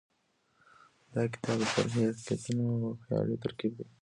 دا کتاب د تاریخي حقیقتونو او خیال یو ترکیب دی.